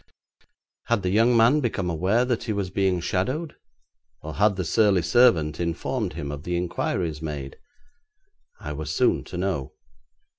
Had the young man become aware that he was being shadowed, or had the surly servant informed him of the inquiries made? I was soon to know.